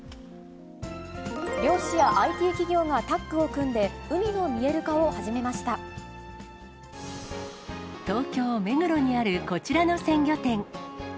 漁師やＩＴ企業がタッグを組んで、東京・目黒にあるこちらの鮮魚店。